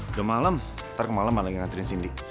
udah malem ntar kemalem mana lagi nganterin cindy